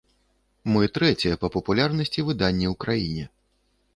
Мы трэцяе па папулярнасці выданне ў краіне.